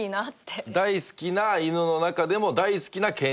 大好きな犬の中でも大好きな犬種の？